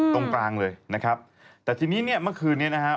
ตรงกลางเลยนะครับแต่ทีนี้เนี่ยเมื่อคืนนี้นะฮะ